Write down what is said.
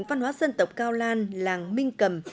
văn hóa dân tộc cao lan làng minh cầm